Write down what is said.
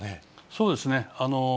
そうですね。